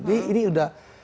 jadi ini sudah